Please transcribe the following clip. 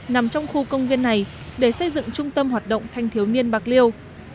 nằm trong khu công viên này để xây dựng trung tâm hoạt động thanh thiếu niên bạc liêu